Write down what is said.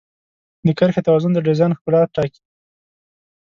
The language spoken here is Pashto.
د کرښې توازن د ډیزاین ښکلا ټاکي.